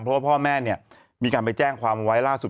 เพราะว่าพ่อแม่เนี่ยมีการไปแจ้งความไว้ล่าสุด